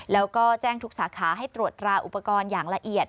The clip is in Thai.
แล้วก็แจ้งทุกสาขาให้ตรวจตราอุปกรณ์อย่างละเอียด